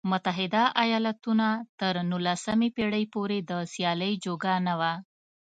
متحده ایالتونه تر نولسمې پېړۍ پورې د سیالۍ جوګه نه و.